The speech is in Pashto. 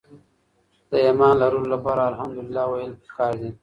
د ايمان لرلو لپاره ألحمدلله ويل پکار دي.